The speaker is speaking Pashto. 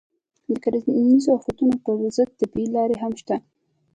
د کرنیزو آفتونو پر ضد طبیعي لارې هم شته دي.